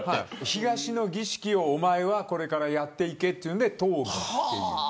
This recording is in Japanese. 東の儀式をおまえはこれからやっていけというので東儀っていう。